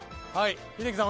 英樹さん